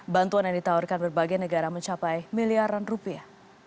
bantuan yang ditawarkan berbagai negara mencapai miliaran rupiah